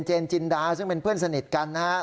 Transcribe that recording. เจนจินดาซึ่งเป็นเพื่อนสนิทกันนะฮะ